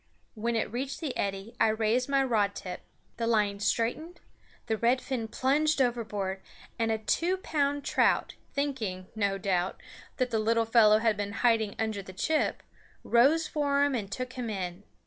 When it reached the eddy I raised my rod tip; the line straightened; the red fin plunged overboard, and a two pound trout, thinking, no doubt, that the little fellow had been hiding under the chip, rose for him and took him in.